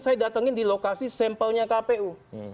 saya datangin di lokasi sampelnya kpu